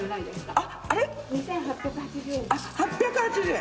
あっ８８０円。